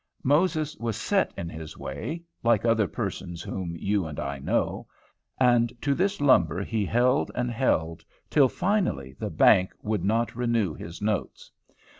Moses was set in his way, like other persons whom you and I know, and to this lumber he held and held, till finally the bank would not renew his notes.